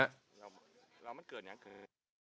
เรามันเกิดอย่างเกิน